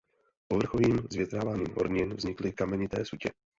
Povrchovým zvětráváním hornin vznikly kamenité sutě.